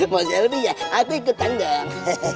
mau selfie ya aku ikutan dong